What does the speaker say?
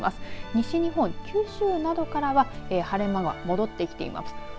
西日本、九州などからは晴れ間は戻ってきています。